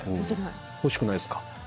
欲しくないですか？